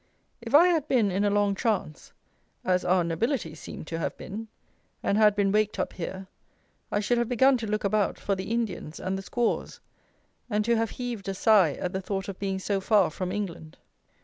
If I had been in a long trance (as our nobility seem to have been), and had been waked up here, I should have begun to look about for the Indians and the Squaws, and to have heaved a sigh at the thought of being so far from England.